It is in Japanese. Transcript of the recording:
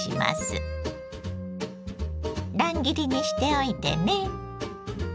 乱切りにしておいてね。